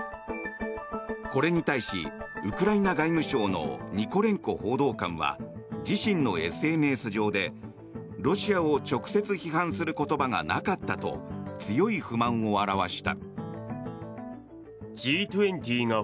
これに対しウクライナ外務省のニコレンコ報道官は自身のＳＮＳ上でロシアを直接批判する言葉がなかったと強い不満を表した。